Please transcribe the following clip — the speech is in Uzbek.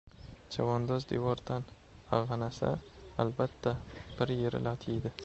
Chavandoz devordan ag‘nasa, albatta bir yeri lat yeydi.